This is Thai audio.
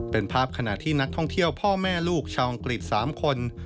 เป็นภาพขณะที่นักท่องเที่ยวพ่อแม่ลูกชาวอังกฤษ๓คน